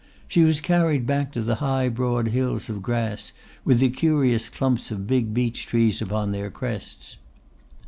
She was carried back to the high broad hills of grass with the curious clumps of big beech trees upon their crests.